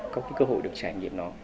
có cái cơ hội được trải nghiệm nó